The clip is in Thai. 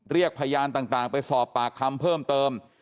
เรียกพยานต่างไปสอบปากคำเพิ่มเติม